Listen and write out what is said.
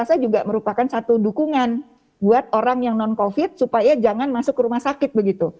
saya rasa juga merupakan satu dukungan buat orang yang non covid supaya jangan masuk ke rumah sakit begitu